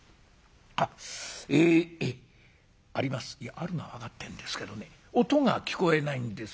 「あるのは分かってんですけどね音が聞こえないんです」。